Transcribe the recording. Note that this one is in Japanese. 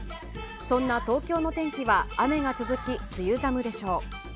そんな東京の天気は雨が続き梅雨寒でしょう。